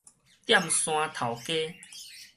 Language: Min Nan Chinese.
踮山頭家